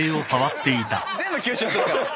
全部吸収してるから。